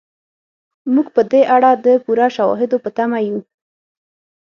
موږ په دې اړه د پوره شواهدو په تمه یو.